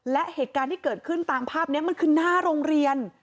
และเหตุการณ์ที่เกิดขึ้นตามภาพนี้มันคือหน้าโรงเรียน